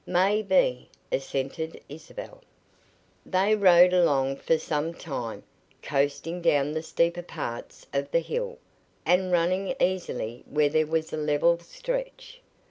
"Maybe," assented Isabel. They rode along for some time, coasting down the steeper parts of the hill, and running easily where there was a level stretch.